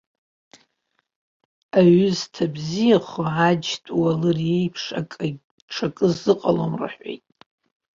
Аҩы зҭабзиахо аџьтә уалыр еиԥш аҽакы зыҟалом рҳәоит.